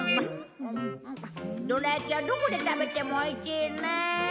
どら焼きはどこで食べてもおいしいねえ。